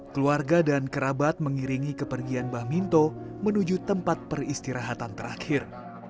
keluarga dan kerabat mengiringi kepergian bah minto menuju tempat peristirahatan terakhir